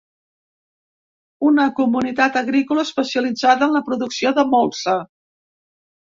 Una comunitat agrícola, especialitzada en la producció de molsa.